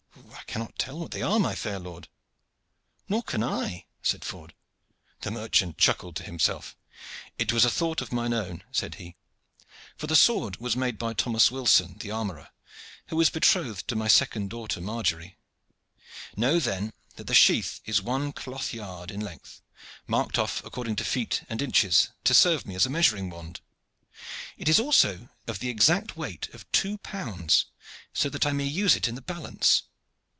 "I cannot tell what they are, my fair lord." "Nor can I," said Ford. The merchant chuckled to himself. "It was a thought of mine own," said he; "for the sword was made by Thomas Wilson, the armorer, who is betrothed to my second daughter Margery. Know then that the sheath is one cloth yard, in length, marked off according to feet and inches to serve me as a measuring wand. It is also of the exact weight of two pounds, so that I may use it in the balance."